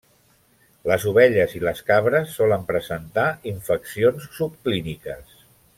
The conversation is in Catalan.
Les ovelles i les cabres solen presentar infeccions subclíniques.